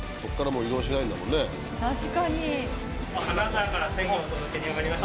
確かに。